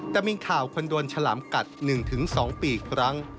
แต่มีข่าวคนโดนฉลามกัด๑๒ปีอีกครั้ง